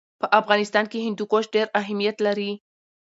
په افغانستان کې هندوکش ډېر اهمیت لري.